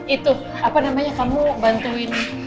itu apa namanya kamu bantuin